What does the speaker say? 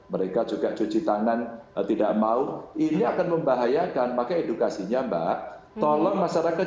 mereka juga cuci tangan tidak mau ini akan membahayakan maka edukasinya mbak tolong masyarakat